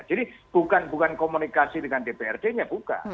jadi bukan komunikasi dengan dprd nya buka